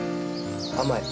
甘い。